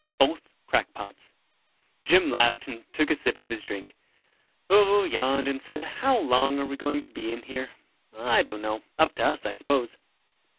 Both crackpots." Jim laughed and took a sip of his drink. Vovo yawned and said, "How long are we going to be in here?" "I don't know. Up to us, I suppose."